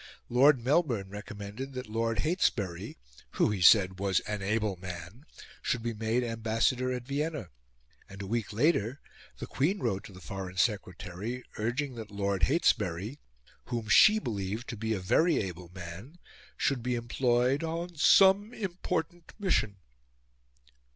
Lord Melbourne recommended that Lord Heytesbury, who, he said, was an able man, should be made Ambassador at Vienna; and a week later the Queen wrote to the Foreign Secretary urging that Lord Heytesbury, whom she believed to be a very able man, should be employed "on some important mission."